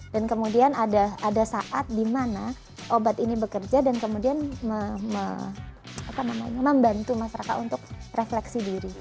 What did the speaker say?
dan kemudian ada saat dimana obat ini bekerja dan kemudian membantu mas raka untuk refleksi diri